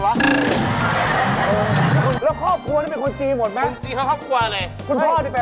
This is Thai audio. เวลาส่าห์หัวไปคงจริงมาจากลุ่มจริงเลย